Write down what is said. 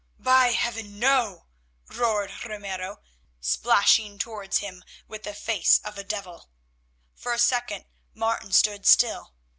"By heaven! no," roared Ramiro splashing towards him with the face of a devil. For a second Martin stood still.